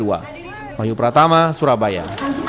wahyu pratama surabaya